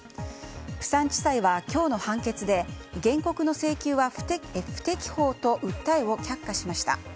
釜山地裁は今日の判決で原告の請求は不適法と訴えを却下しました。